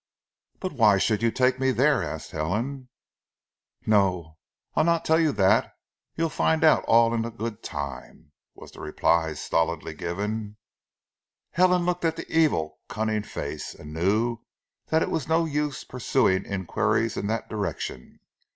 "But why should you take me there?" asked Helen. "Non! Ah not tell you dat! You fin' out all in zee good taime," was the reply stolidly given. Helen looked at the evil, cunning face, and knew that it was no use pursuing inquiries in that direction.